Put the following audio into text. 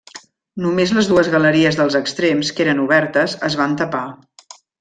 Només les dues galeries dels extrems, que eren obertes, es van tapar.